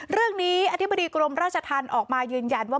เรื่องนี้อธิบดีกรมราชธรรมออกมายืนยันว่า